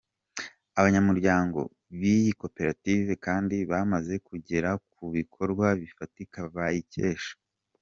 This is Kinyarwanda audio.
Abanyamuryango b’iyi koperative kandi bamaze kugera ku bikorwa bifatika bayikesha.